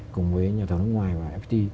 cùng với nhà thống nước ngoài và fpt